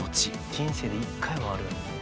人生で１回はある。